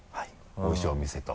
おいしいお店と。